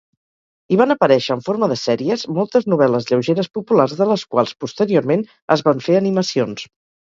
Hi van aparèixer en forma de sèries moltes novel·les lleugeres populars de les quals, posteriorment, es van fer animacions.